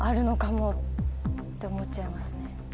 もって思っちゃいますね。